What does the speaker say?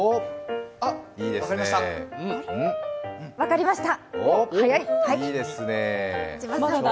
あっ、分かりました。